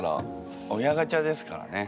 「親ガチャ」ですからね。